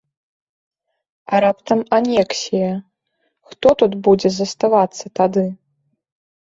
А раптам анексія, хто тут будзе заставацца тады?